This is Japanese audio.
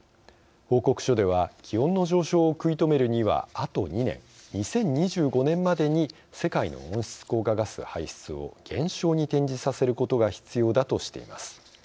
報告書では気温の上昇を食い止めるにはあと２年、２０２５年までに世界の温室効果ガス排出を減少に転じさせることが必要だとしています。